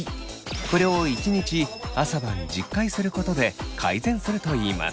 これを１日朝晩１０回することで改善するといいます。